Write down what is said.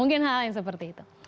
mungkin hal yang seperti itu